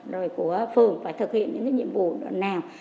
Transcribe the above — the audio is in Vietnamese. rồi của phường phải thực hiện những cái nhiệm vụ nào